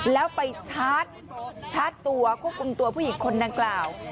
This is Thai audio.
แล้วไปชาร์จชาร์จตัวควบคุมตัวผู้หญิงคนดังกล่าว